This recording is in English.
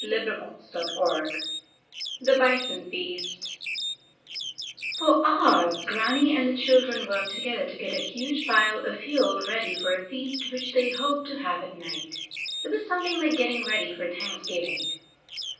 II THE BISON FEAST II THE BISON FEAST FOR hours Grannie and the children worked together to get a huge pile of fuel ready for a feast which they hoped to have at night. It was something like getting ready for Thanksgiving.